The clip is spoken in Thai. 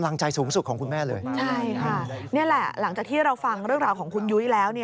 หลังจากที่เราฟังเรื่องราวของคุณยุ้ยแล้ว